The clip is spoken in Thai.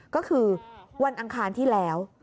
ก็คือวันอังคารที่แล้ว